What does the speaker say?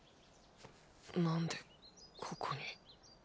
なんでここに？